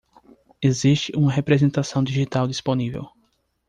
Existe uma representação digital disponível.